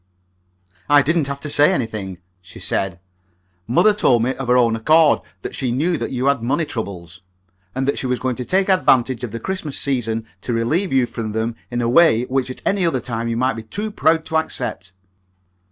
"I didn't have to say anything," she said. "Mother told me of her own accord that she knew that you had money troubles, and that she was going to take advantage of the Christmas season to relieve you from them in a way which at another time you might be too proud to accept."